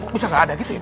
bisa nggak ada gitu ya